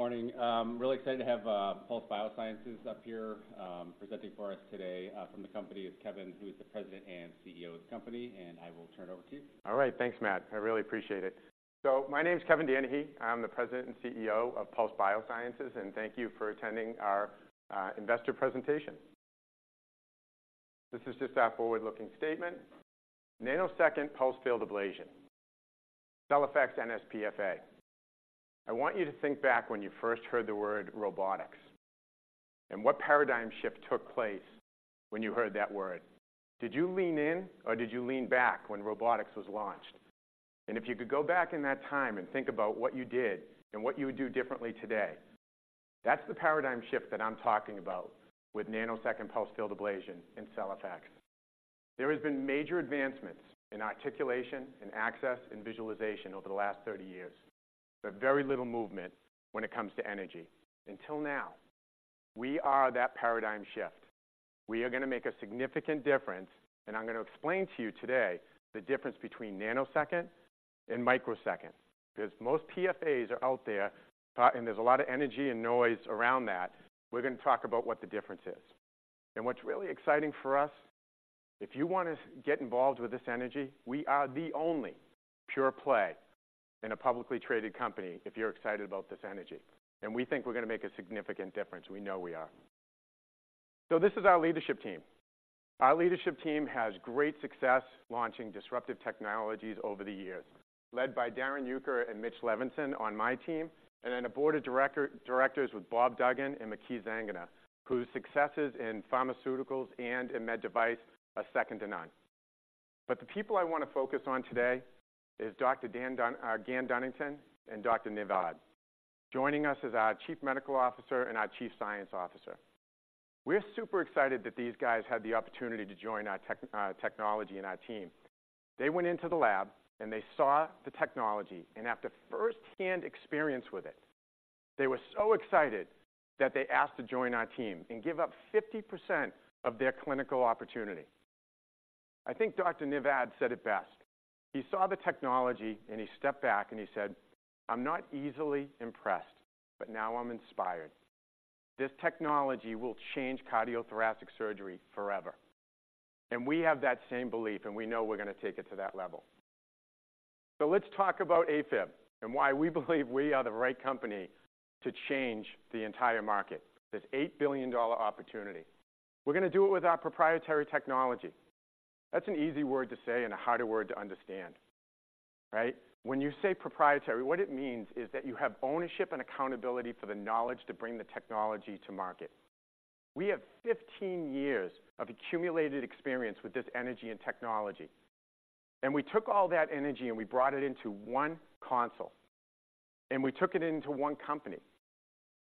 Morning. Really excited to have Pulse Biosciences up here presenting for us today. From the company is Kevin, who is the President and CEO of the company, and I will turn it over to you. All right, thanks, Matt. I really appreciate it. So my name is Kevin Danahy. I'm the President and CEO of Pulse Biosciences, and thank you for attending our investor presentation. This is just our forward-looking statement. Nanosecond pulsed field ablation. CellFX nsPFA. I want you to think back when you first heard the word robotics, and what paradigm shift took place when you heard that word. Did you lean in or did you lean back when robotics was launched? And if you could go back in that time and think about what you did and what you would do differently today, that's the paradigm shift that I'm talking about with nanosecond pulsed field ablation in CellFX. There has been major advancements in articulation, in access, and visualization over the last 30 years, but very little movement when it comes to energy, until now. We are that paradigm shift. We are going to make a significant difference, and I'm going to explain to you today the difference between nanosecond and microsecond, because most PFAs are out there, and there's a lot of energy and noise around that. We're going to talk about what the difference is. And what's really exciting for us, if you want to get involved with this energy, we are the only pure play in a publicly traded company if you're excited about this energy, and we think we're going to make a significant difference. We know we are. So this is our leadership team. Our leadership team has great success launching disruptive technologies over the years, led by Darrin Uecker and Mitch Levinson on my team, and then a board of directors with Bob Duggan and Maky Zanganeh, whose successes in pharmaceuticals and in med device are second to none. But the people I want to focus on today is Dr. Gan Dunnington and Dr. Niv Ad, joining us as our Chief Medical Officer and our Chief Science Officer. We're super excited that these guys had the opportunity to join our tech, technology and our team. They went into the lab and they saw the technology, and after firsthand experience with it, they were so excited that they asked to join our team and give up 50% of their clinical opportunity. I think Dr. Niv Ad said it best. He saw the technology and he stepped back and he said, "I'm not easily impressed, but now I'm inspired. This technology will change cardiothoracic surgery forever." And we have that same belief, and we know we're going to take it to that level. So let's talk about AFib and why we believe we are the right company to change the entire market, this $8 billion opportunity. We're going to do it with our proprietary technology. That's an easy word to say and a harder word to understand, right? When you say proprietary, what it means is that you have ownership and accountability for the knowledge to bring the technology to market. We have 15 years of accumulated experience with this energy and technology, and we took all that energy and we brought it into one console, and we took it into one company.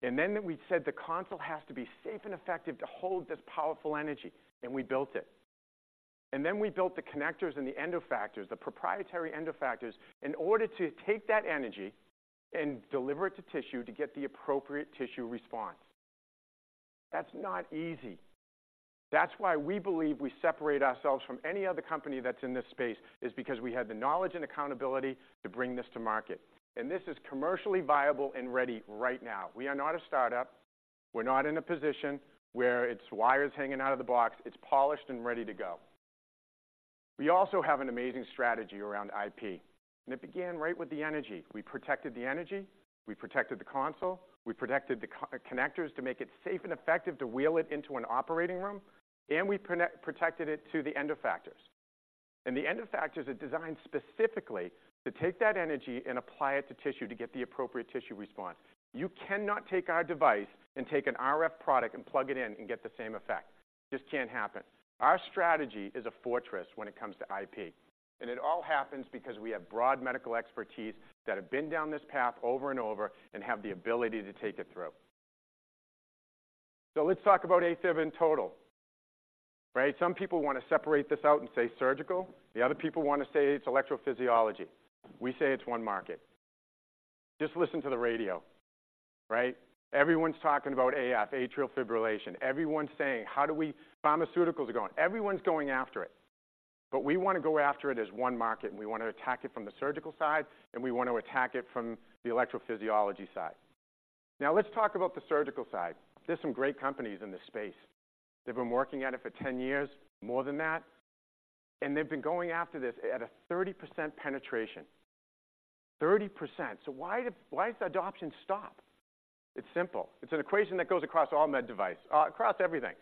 And then we said, the console has to be safe and effective to hold this powerful energy, and we built it. And then we built the connectors and the end effectors, the proprietary end effectors, in order to take that energy and deliver it to tissue to get the appropriate tissue response. That's not easy. That's why we believe we separate ourselves from any other company that's in this space, is because we have the knowledge and accountability to bring this to market. And this is commercially viable and ready right now. We are not a startup. We're not in a position where it's wires hanging out of the box. It's polished and ready to go. We also have an amazing strategy around IP, and it began right with the energy. We protected the energy, we protected the console, we protected the connectors to make it safe and effective to wheel it into an operating room, and we protected it to the end effectors. The end effectors are designed specifically to take that energy and apply it to tissue to get the appropriate tissue response. You cannot take our device and take an RF product and plug it in and get the same effect. Just can't happen. Our strategy is a fortress when it comes to IP, and it all happens because we have broad medical expertise that have been down this path over and over and have the ability to take it through. Let's talk about AFib in total, right? Some people want to separate this out and say surgical. The other people want to say it's electrophysiology. We say it's one market. Just listen to the radio, right? Everyone's talking about AF, atrial fibrillation. Everyone's saying, "How do we..." Pharmaceuticals are going, everyone's going after it. But we want to go after it as one market, and we want to attack it from the surgical side, and we want to attack it from the electrophysiology side. Now, let's talk about the surgical side. There's some great companies in this space. They've been working at it for 10 years, more than that, and they've been going after this at a 30% penetration. 30%. So why did the adoption stop? It's simple. It's an equation that goes across all med device, across everything.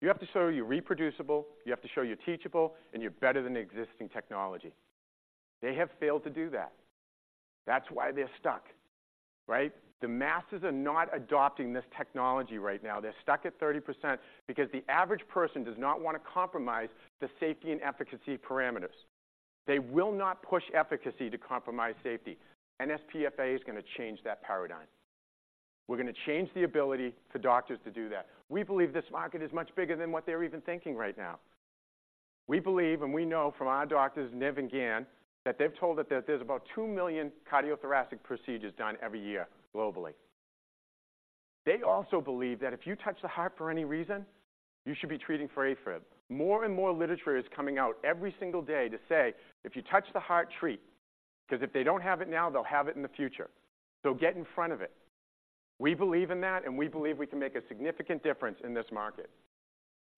You have to show you're reproducible, you have to show you're teachable, and you're better than the existing technology. They have failed to do that. That's why they're stuck, right? The masses are not adopting this technology right now. They're stuck at 30% because the average person does not want to compromise the safety and efficacy parameters. They will not push efficacy to compromise safety. nsPFA is going to change that paradigm. We're going to change the ability for doctors to do that. We believe this market is much bigger than what they're even thinking right now. We believe, and we know from our doctors, Niv and Gan, that they've told us that there's about 2 million cardiothoracic procedures done every year globally. They also believe that if you touch the heart for any reason, you should be treating for AFib. More and more literature is coming out every single day to say, "If you touch the heart, treat," because if they don't have it now, they'll have it in the future, so get in front of it. We believe in that, and we believe we can make a significant difference in this market.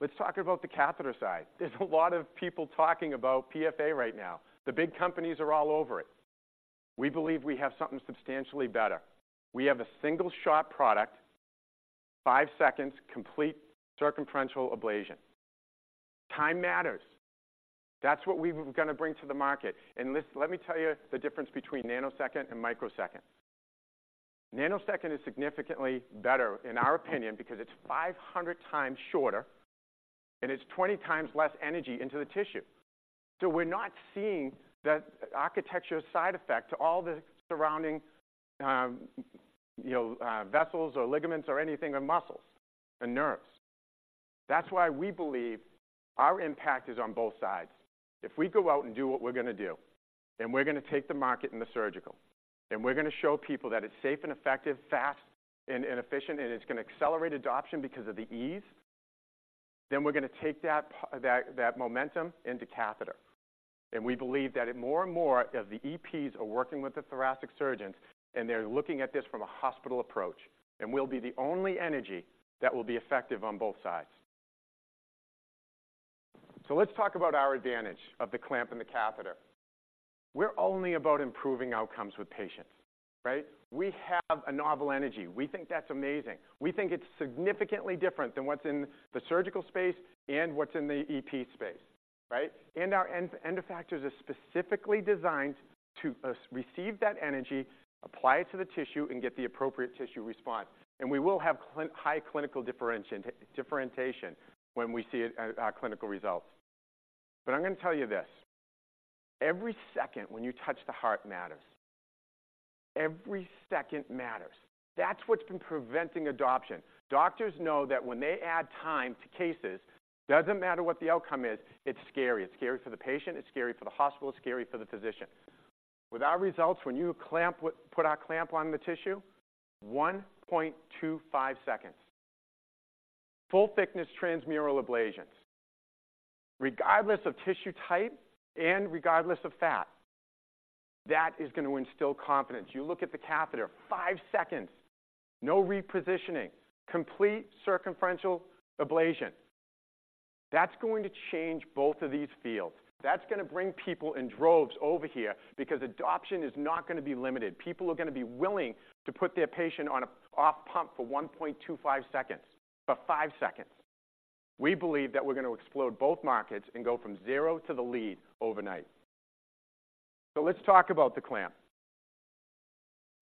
Let's talk about the catheter side. There's a lot of people talking about PFA right now. The big companies are all over it. We believe we have something substantially better. We have a single-shot product, 5-seconds, complete circumferential ablation. Time matters. That's what we're gonna bring to the market, and let me tell you the difference between nanosecond and microsecond. Nanosecond is significantly better, in our opinion, because it's 500x shorter, and it's 20x less energy into the tissue. So we're not seeing that architecture side effect to all the surrounding, you know, vessels or ligaments or anything, or muscles and nerves. That's why we believe our impact is on both sides. If we go out and do what we're gonna do, then we're gonna take the market in the surgical, and we're gonna show people that it's safe and effective, fast and efficient, and it's gonna accelerate adoption because of the ease. Then we're gonna take that momentum into catheter. And we believe that it more and more of the EPs are working with the thoracic surgeons, and they're looking at this from a hospital approach, and we'll be the only energy that will be effective on both sides. So let's talk about our advantage of the clamp and the catheter. We're only about improving outcomes with patients, right? We have a novel energy. We think that's amazing. We think it's significantly different than what's in the surgical space and what's in the EP space, right? Our end effectors are specifically designed to receive that energy, apply it to the tissue, and get the appropriate tissue response, and we will have high clinical differentiation when we see it, our clinical results. But I'm gonna tell you this: every second when you touch the heart matters. Every second matters. That's what's been preventing adoption. Doctors know that when they add time to cases, doesn't matter what the outcome is, it's scary. It's scary for the patient, it's scary for the hospital, it's scary for the physician. With our results, when you put our clamp on the tissue, 1.25-seconds. Full thickness transmural ablations, regardless of tissue type and regardless of fat. That is going to instill confidence. You look at the catheter, 5-seconds, no repositioning, complete circumferential ablation. That's going to change both of these fields. That's gonna bring people in droves over here because adoption is not gonna be limited. People are gonna be willing to put their patient on a off-pump for 1.25-seconds, for 5-seconds. We believe that we're gonna explode both markets and go from zero to the lead overnight. So let's talk about the clamp.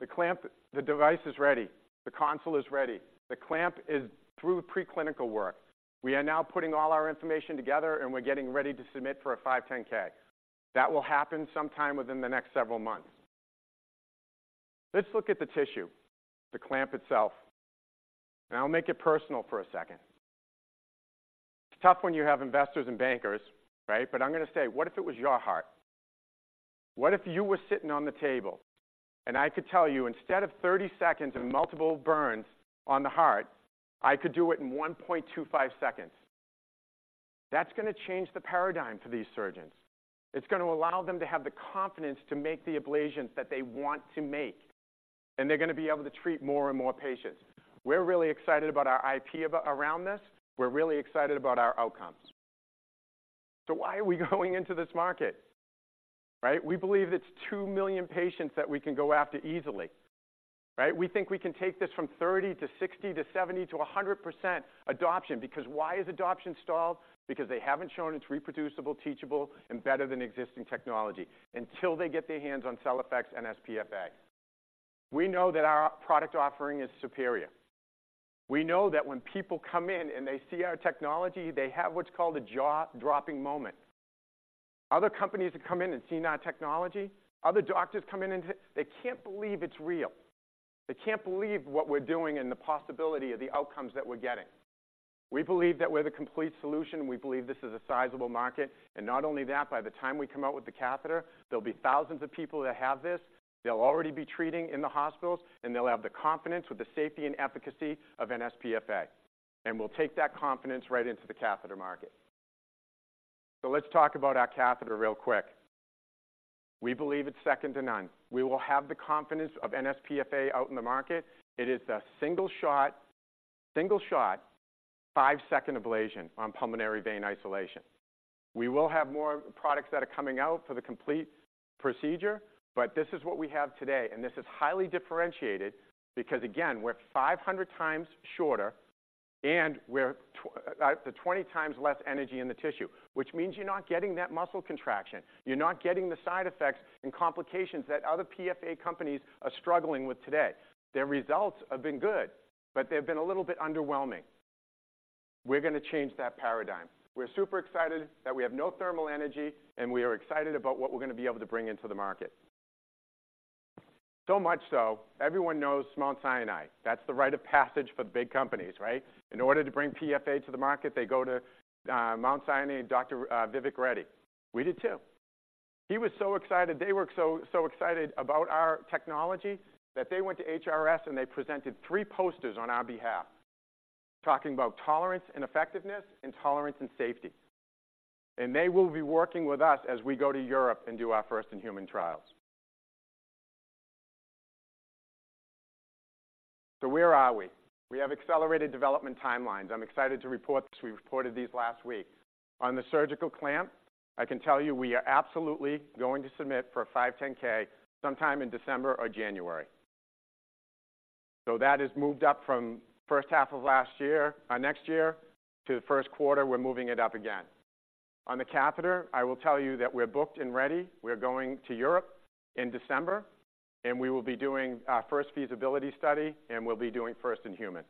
The clamp, the device is ready. The console is ready. The clamp is through preclinical work. We are now putting all our information together, and we're getting ready to submit for a 510(k). That will happen sometime within the next several months. Let's look at the tissue, the clamp itself, and I'll make it personal for a second. It's tough when you have investors and bankers, right? But I'm gonna say, what if it was your heart? What if you were sitting on the table, and I could tell you, instead of 30-seconds and multiple burns on the heart, I could do it in 1.25-seconds? That's gonna change the paradigm for these surgeons. It's gonna allow them to have the confidence to make the ablations that they want to make, and they're gonna be able to treat more and more patients. We're really excited about our IP about around this. We're really excited about our outcomes. So why are we going into this market, right? We believe it's 2 million patients that we can go after easily, right? We think we can take this from 30%-60%-70%-100% adoption because why is adoption stalled? Because they haven't shown it's reproducible, teachable, and better than existing technology until they get their hands on CellFX and nsPFA. We know that our product offering is superior. We know that when people come in and they see our technology, they have what's called a jaw-dropping moment. Other companies have come in and seen our technology, other doctors come in, and they can't believe it's real. They can't believe what we're doing and the possibility of the outcomes that we're getting. We believe that we're the complete solution, and we believe this is a sizable market, and not only that, by the time we come out with the catheter, there'll be thousands of people that have this. They'll already be treating in the hospitals, and they'll have the confidence with the safety and efficacy of nsPFA, and we'll take that confidence right into the catheter market. So let's talk about our catheter real quick. We believe it's second to none. We will have the confidence of nsPFA out in the market. It is a single-shot, single-shot, five-second ablation on Pulmonary Vein Isolation. We will have more products that are coming out for the complete procedure, but this is what we have today, and this is highly differentiated because, again, we're 500x shorter, and we're the 20x less energy in the tissue, which means you're not getting that muscle contraction. You're not getting the side effects and complications that other PFA companies are struggling with today. Their results have been good, but they've been a little bit underwhelming. We're gonna change that paradigm. We're super excited that we have no thermal energy, and we are excited about what we're gonna be able to bring into the market. So much so, everyone knows Mount Sinai. That's the rite of passage for big companies, right? In order to bring PFA to the market, they go to Mount Sinai, Dr. Vivek Reddy. We did, too... He was so excited, they were so, so excited about our technology that they went to HRS and they presented three posters on our behalf, talking about tolerance and effectiveness, and tolerance and safety. And they will be working with us as we go to Europe and do our first-in-human trials. So where are we? We have accelerated development timelines. I'm excited to report this. We reported these last week. On the surgical clamp, I can tell you we are absolutely going to submit for a 510(k) sometime in December or January. So that is moved up from first half of last year, next year, to the first quarter. We're moving it up again. On the catheter, I will tell you that we're booked and ready. We're going to Europe in December, and we will be doing our first feasibility study, and we'll be doing first in human.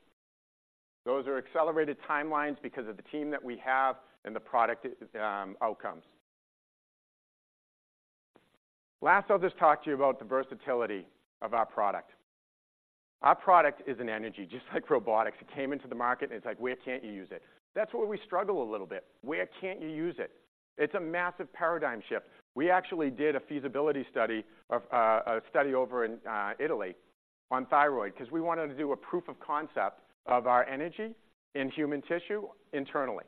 Those are accelerated timelines because of the team that we have and the product outcomes. Last, I'll just talk to you about the versatility of our product. Our product is an energy, just like robotics. It came into the market, and it's like, where can't you use it? That's where we struggle a little bit. Where can't you use it? It's a massive paradigm shift. We actually did a feasibility study over in Italy on thyroid, 'cause we wanted to do a proof of concept of our energy in human tissue internally.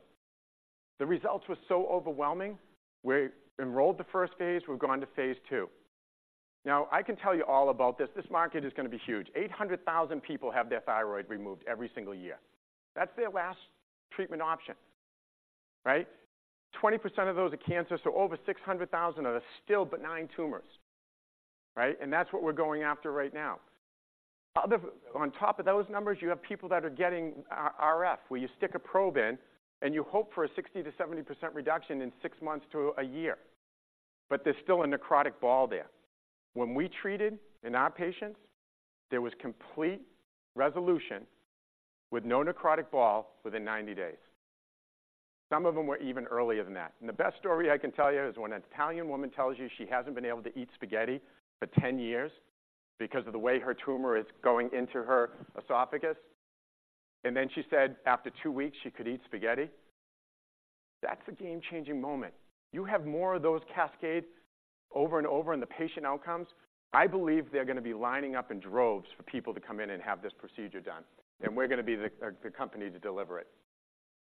The results were so overwhelming, we enrolled the first phase, we've gone to phase two. Now, I can tell you all about this. This market is going to be huge. 800,000 people have their thyroid removed every single year. That's their last treatment option, right? 20% of those are cancer, so over 600,000 are still benign tumors. Right? And that's what we're going after right now. On top of those numbers, you have people that are getting RF, where you stick a probe in and you hope for a 60%-70% reduction in six months to a year, but there's still a necrotic ball there. When we treated in our patients, there was complete resolution with no necrotic ball within 90 days. Some of them were even earlier than that. The best story I can tell you is when an Italian woman tells you she hasn't been able to eat spaghetti for 10 years because of the way her tumor is going into her esophagus, and then she said after two weeks, she could eat spaghetti, that's a game-changing moment. You have more of those cascades over and over in the patient outcomes, I believe they're going to be lining up in droves for people to come in and have this procedure done, and we're going to be the company to deliver it.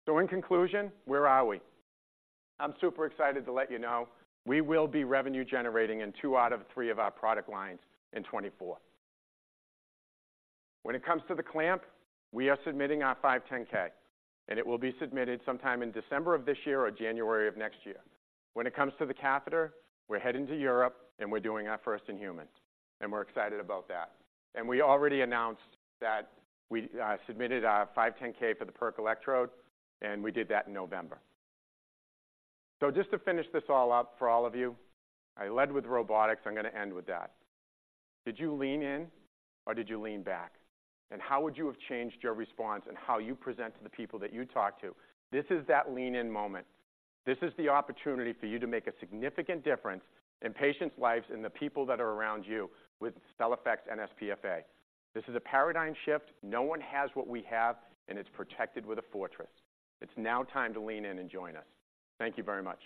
So in conclusion, where are we? I'm super excited to let you know, we will be revenue generating in two out of three of our product lines in 2024. When it comes to the clamp, we are submitting our 510(k), and it will be submitted sometime in December of this year or January of next year. When it comes to the catheter, we're heading to Europe, and we're doing our first in humans, and we're excited about that. And we already announced that we submitted our 510(k) for the perc electrode, and we did that in November. So just to finish this all up for all of you, I led with robotics, I'm going to end with that. Did you lean in or did you lean back? And how would you have changed your response and how you present to the people that you talk to? This is that lean-in moment. This is the opportunity for you to make a significant difference in patients' lives and the people that are around you with CellFX nsPFA. This is a paradigm shift. No one has what we have, and it's protected with a fortress. It's now time to lean in and join us. Thank you very much.